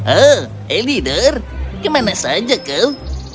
oh elidor kemana saja kau